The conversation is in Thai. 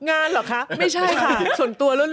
เหรอคะไม่ใช่ค่ะส่วนตัวแล้ว